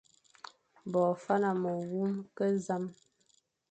Bo faña me wume, ke zame,